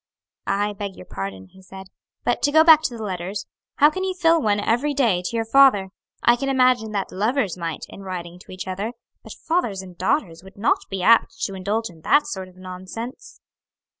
"I beg your pardon," he said; "but to go back to the letters, how can you fill one every day to your father? I can imagine that lovers might, in writing to each other, but fathers and daughters would not be apt to indulge in that sort of nonsense."